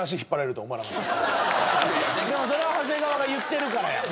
でもそれは長谷川が言ってるからやもんな。